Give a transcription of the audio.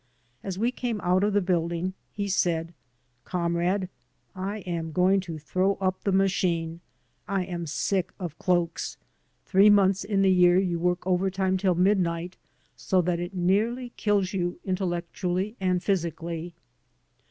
As we came out of the building he said: "Comrade, I am going to throw up the machine. I am sick of cloaks. Three months in the year you 173 AN AMERICAN IN THE MAKING work overtime till midnight so that it nearly kills you intellectually and physically.